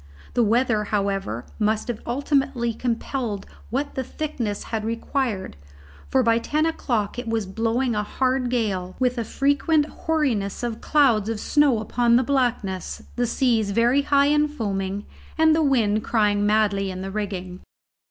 The weather, however, must have ultimately compelled what the thickness had required; for by ten o'clock it was blowing a hard gale, with a frequent hoariness of clouds of snow upon the blackness, the seas very high and foaming, and the wind crying madly in the rigging.